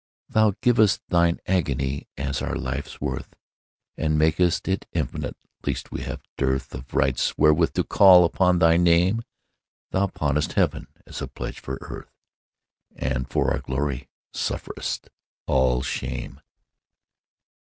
Thou giv'st Thine agony as our life's worth, And mak'st it infinite, lest we have dearthOf rights wherewith to call upon thy Name; Thou pawnest Heaven as a pledge for Earth, And for our glory sufferest all shame.